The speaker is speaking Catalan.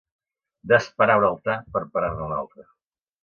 Desparar un altar per parar-ne un altre.